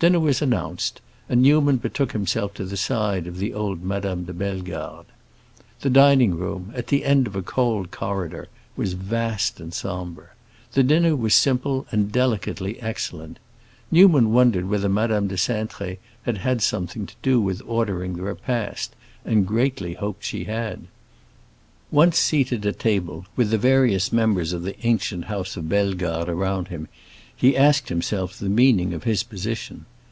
Dinner was announced, and Newman betook himself to the side of the old Madame de Bellegarde. The dining room, at the end of a cold corridor, was vast and sombre; the dinner was simple and delicately excellent. Newman wondered whether Madame de Cintré had had something to do with ordering the repast and greatly hoped she had. Once seated at table, with the various members of the ancient house of Bellegarde around him, he asked himself the meaning of his position.